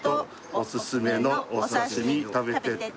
「おすすめのお刺身食べてって！」